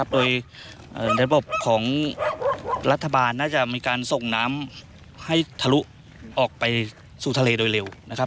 โดยระบบของรัฐบาลน่าจะมีการส่งน้ำให้ทะลุออกไปสู่ทะเลโดยเร็วนะครับ